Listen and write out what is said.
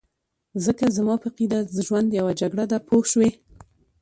ځکه زما په عقیده ژوند یو جګړه ده پوه شوې!.